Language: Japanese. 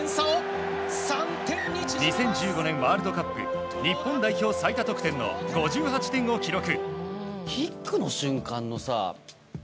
２０１５年ワールドカップ日本代表最多得点の５８点を記録。